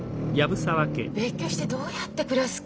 別居してどうやって暮らす気？